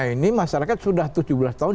ini masyarakat sudah tujuh belas tahun